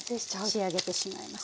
仕上げてしまいます。